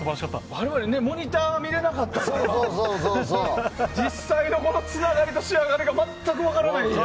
我々モニターを見れなかったから実際のつながりの仕上がりが全く分からない。